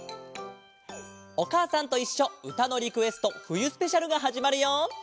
「おかあさんといっしょうたのリクエストふゆスペシャル」がはじまるよ！